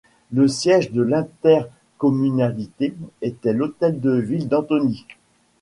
Le siège de l'intercommunalité était l'hôtel-de-Ville d'Antony.